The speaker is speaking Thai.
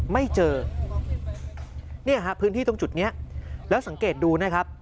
ไม่เจอเนี่ยฮะพื้นที่ตรงจุดนี้แล้วสังเกตดูนะครับ